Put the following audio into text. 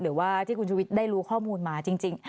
หรือว่าที่คุณชุวิตได้รู้ข้อมูลมาจริง